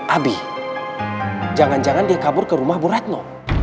abi jangan jangan dia kabur ke rumah bu retno